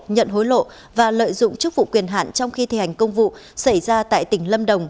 nhận hối lộ và lợi dụng chức vụ quyền hạn trong khi thi hành công vụ xảy ra tại tỉnh lâm đồng